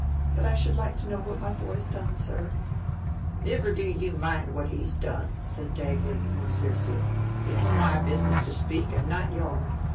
But I should like to know what my boy's done, sir." "Niver do you mind what he's done," said Dagley, more fiercely, "it's my business to speak, an' not yourn.